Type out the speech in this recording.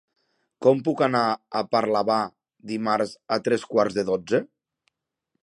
Com puc anar a Parlavà dimarts a tres quarts de dotze?